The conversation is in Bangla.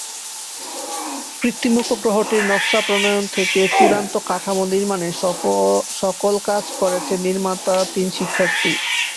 কৃত্রিম উপগ্রহটির নকশা প্রণয়ন থেকে চূড়ান্ত কাঠামো নির্মাণের সকল কাজ করেছেন নির্মাতা তিন শিক্ষার্থী।